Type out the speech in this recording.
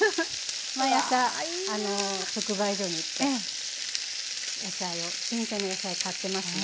毎朝直売所に行って新鮮な野菜を買ってますね。